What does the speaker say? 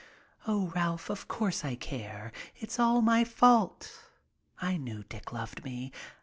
"Oh, Ralph, of course I care. It's all my fault. I knew Dick loved me.